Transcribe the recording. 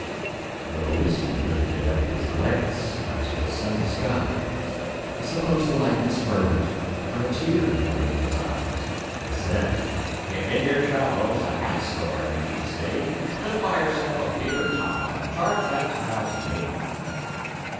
The p'liceman lifted up his glance unto the sunny skies, I s'pose the light was fervent, for a tear were in his eyes, And said, "If in your travels a hat store you should see, Just buy yourself a beaver tile and charge that tile to me."